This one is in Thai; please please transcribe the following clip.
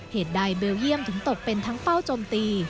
เหตุใดเบลเยี่ยมถึงตกเป็นทั้งเป้าจมตี